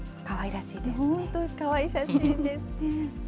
本当、かわいい写真ですね。